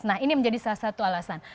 nah ini menjadi salah satu alasan